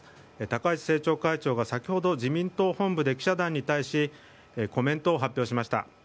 高市政調会長は先ほど、自民党本部で記者団に対しコメントを発表しました。